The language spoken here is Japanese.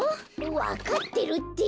わかってるって！